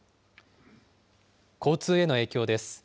交通への影響です。